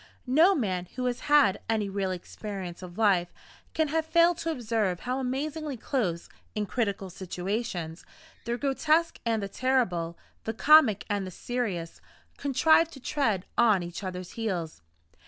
No man who has had any real experience of life can have failed to observe how amazingly close, in critical situations, the grotesque and the terrible, the comic and the serious, contrive to tread on each other's heels.